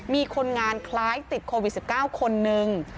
มีคนงานคล้ายติดโควิด๑๙คนนึง